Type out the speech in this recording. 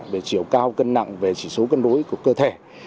về chiều cao cân nặng về chỉ số cân đối của cơ thể